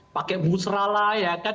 pakai musra lah ya kan